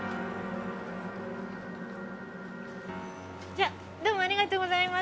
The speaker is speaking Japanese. じゃどうもありがとうございました。